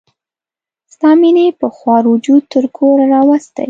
ستا مینې په خوار وجود تر کوره راوستي.